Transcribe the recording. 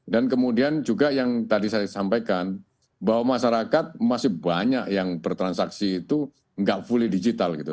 dan kemudian juga yang tadi saya sampaikan bahwa masyarakat masih banyak yang bertransaksi itu gak fully digital gitu